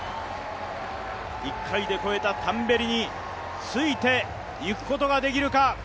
１回で越えたタンベリについていくことができるか。